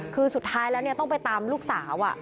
คือสุดท้ายแล้วต้องไปตามลูกสาว